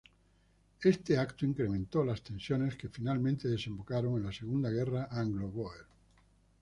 Este evento incrementó las tensiones que finalmente desembocaron en la Segunda Guerra Anglo-Bóer.